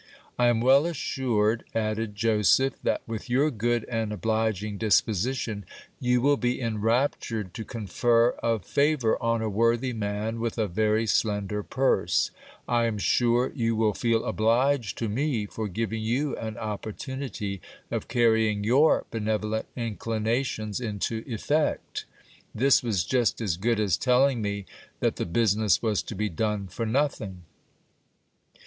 I am well assured, added Joseph, that with your good and obliging disposition, you will be enraptured to confer a favour on a worthy man with a very slender purse ; I am sure you will feel obliged to me forgiving you an opportunity of canying your benevolent inclinations into effect. This was just as good as telling me that the business was to be done for nothing.